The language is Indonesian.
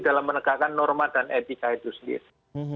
dalam menegakkan norma dan etika itu sendiri